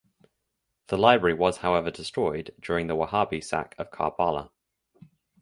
The library was however destroyed during the Wahabi sack of Karbala.